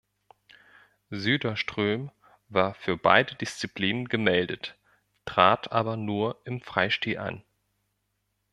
Söderström war für beide Disziplinen gemeldet, trat aber nur im Freistil an.